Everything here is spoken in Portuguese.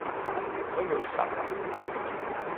Oi, meu chapa